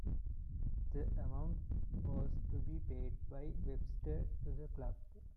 This amount was to be paid by Webster to the club.